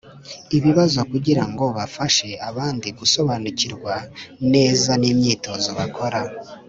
ibibazo kugira ngo bafashe abandi gusobanukirwa neza n’imyitozo bakora.